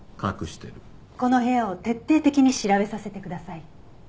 この部屋を徹底的に調べさせてください。